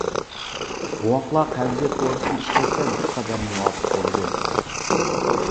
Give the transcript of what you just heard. بوۋاقلار قەۋزىيەت دورىسىنى ئىشلەتسە بىرقەدەر مۇۋاپىق بولىدۇ.